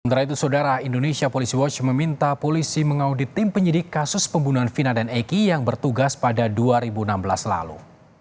sementara itu saudara indonesia policy watch meminta polisi mengaudit tim penyidik kasus pembunuhan vina dan eki yang bertugas pada dua ribu enam belas lalu